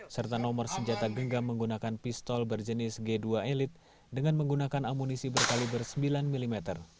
serta nomor senjata genggam menggunakan pistol berjenis g dua elit dengan menggunakan amunisi berkaliber sembilan mm